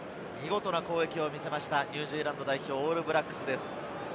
見事な攻撃を見せましたニュージーランド代表、オールブラックスです。